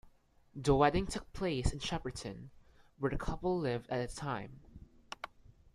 The wedding took place in Shepperton, where the couple lived at the time.